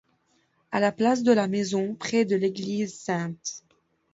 À la place de la maison, près de l'église St.